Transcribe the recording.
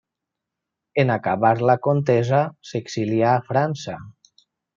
En acabar la contesa s'exilià a França.